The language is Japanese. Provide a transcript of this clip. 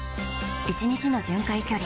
１日の巡回距離